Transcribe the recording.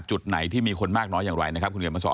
จุดไหนที่มีคนมากน้อยอย่างไรนะครับคุณเขียนมาสอน